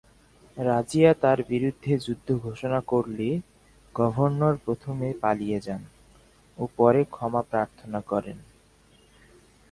রাজিয়া তার বিরুদ্ধে যুদ্ধ ঘোষণা করলে, গভর্নর প্রথমে পালিয়ে যান ও পরে ক্ষমা প্রার্থনা করেন।